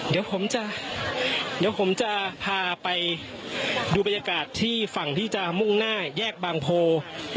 เดี๋ยวผมจะเดี๋ยวผมจะพาไปดูบรรยากาศที่ฝั่งที่จะมุ่งหน้าแยกบางโพ